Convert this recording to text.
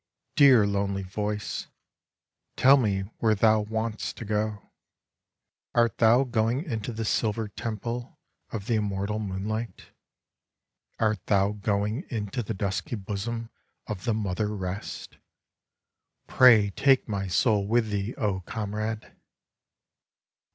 Dear lonely Voice, tell me where thou want'st to go ! Art thou going into the silver temple of the immortal moonlight? Art thou going into the dusky bosom of the Mother Rest ? Pray, take my soul with thee, O comrade